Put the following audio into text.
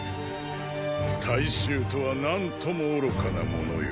大衆とは何とも愚かなものよ。